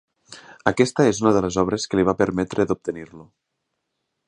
Aquesta és una de les obres que li va permetre d'obtenir-lo.